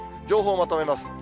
情報をまとめます。